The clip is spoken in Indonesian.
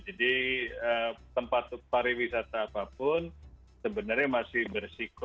jadi tempat pariwisata apapun sebenarnya masih berisiko